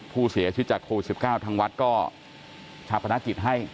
ผู้เสียชีวิตจากโควิด๑๙ทางวัดก็ชาพนักกิจให้